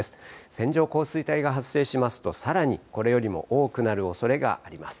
線状降水帯が発生しますとさらにこれよりも多くなるおそれがあります。